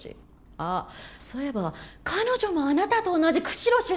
あっそういえば彼女もあなたと同じ釧路出身だったわね。